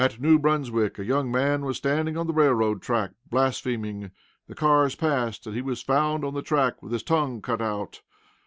At New Brunswick, a young man was standing on the railroad track blaspheming. The cars passed, and he was found on the track with his tongue cut out.